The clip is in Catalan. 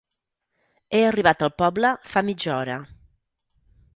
He arribat al poble fa mitja hora.